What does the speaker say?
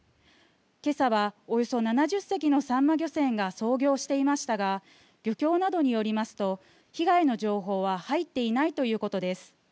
けさは、およそ７０隻のさんま漁船が操業していましたが漁協などによりますと被害の情報は入っていないということです。